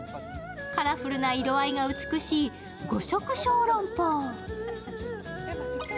カラフルな色合いが美しい五色小籠包。